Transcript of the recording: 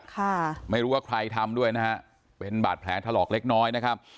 ค่ะไม่รู้ว่าใครทำด้วยนะฮะเป็นบาดแผลถลอกเล็กน้อยนะครับ